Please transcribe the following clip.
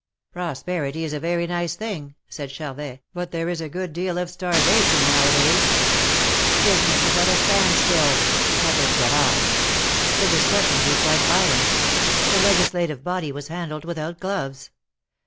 "Prosperity is a very nice thing," said Charvet, "but there is a good deal of starvation now a days." " Business is at a stand still," muttered Gavard. The discussion grew quite violent. The Legislative body THE MARKETS OF PARIS. 137 was handled without gloves.